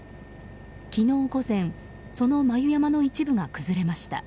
昨日午前、その眉山の一部が崩れました。